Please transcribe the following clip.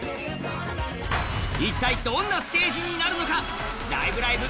一体どんなステージになるのか「ライブ！